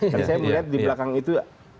kan saya melihat di belakang itu